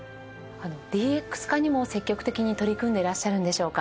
ＤＸ化にも積極的に取り組んでいらっしゃるんでしょうか？